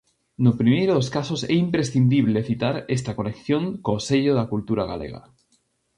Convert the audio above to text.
No primeiro dos casos é imprescindible citar esta colección co sello da Cultura Galega.